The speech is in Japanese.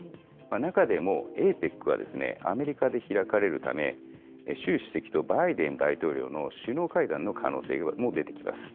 中でも、ＡＰＥＣはアメリカで開かれるため、習主席とバイデン大統領との首脳会談の可能性も出てきます。